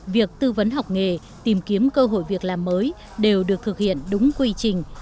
việc tư vấn học nghề tìm kiếm cơ hội việc làm mới đều được thực hiện đúng quy trình